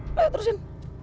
ya ayo terusin